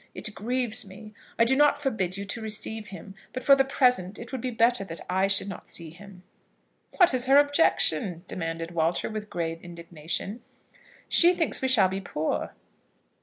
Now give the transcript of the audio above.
It grieves me. I do not forbid you to receive him; but for the present it would be better that I should not see him." "What is her objection?" demanded Walter, with grave indignation. "She thinks we shall be poor."